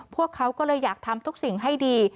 พวกเขาก็เลยอยากทำทุกสิ่งให้ดี